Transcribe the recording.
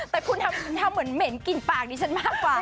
แต่คุณทำเหมือนเหม็นกลิ่นปากดิฉันมากกว่า